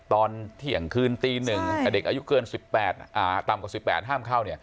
ตอนเที่ยงคืนตี๑เด็กอายุเกิน๑๘ต่ำกว่า๑๘ห้ามเข้า